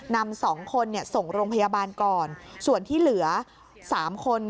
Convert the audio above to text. นำสองคนเนี่ยส่งโรงพยาบาลก่อนส่วนที่เหลือ๓คน